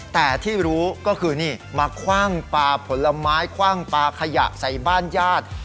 แต่ที่รู้ก็คือนี่มาคว่างปลาผลไม้คว่างปลาขยะใส่บ้านญาติ